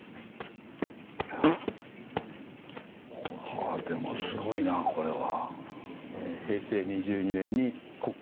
あでもすごいなこれは。